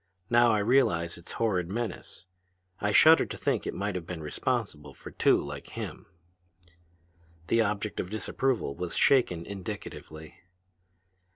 Now I realize its horrid menace. I shudder to think it might have been responsible for two like him!" The object of disapproval was shaken indicatively.